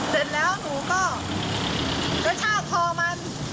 เสร็จแล้วหนูก็กระชากคอมัน